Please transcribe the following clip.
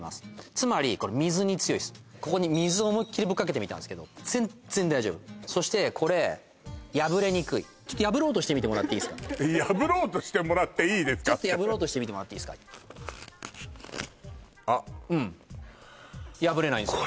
つまりこれここに水を思いっきりぶっかけてみたんすけど全然大丈夫そしてこれちょっと破ろうとしてみてもらっていいすか破ろうとしてもらっていいですかって破ろうとしてみてもらっていいすかあっうん破れないんすよ